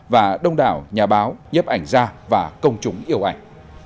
và đông đảo nhà báo nhấp ảnh gia và công chúng yêu ảnh